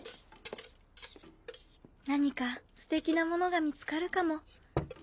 何かステキなものが見つかるかも。